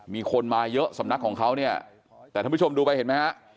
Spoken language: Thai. มีคนมาเยอะสำนักของเขาเนี่ยแต่ท่านผู้ชมดูไปเห็นไหมฮะ